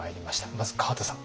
まず川田さん